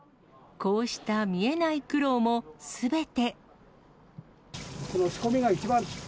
こうした見えない苦労もすべて。